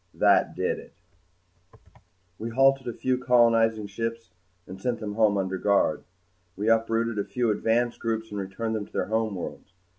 That did it. We halted a few colonizing ships and sent them home under guard. We uprooted a few advance groups and returned them to their homeworlds.